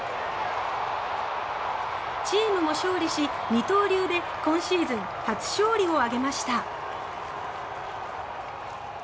チームも勝利し、二刀流で今シーズン初勝利を挙げました。